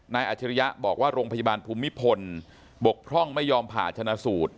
อาจริยะบอกว่าโรงพยาบาลภูมิพลบกพร่องไม่ยอมผ่าชนะสูตร